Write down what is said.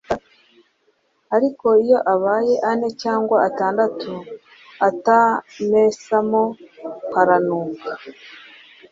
ariko iyo abaye ane cyangwa atandatu utamesamo haranuka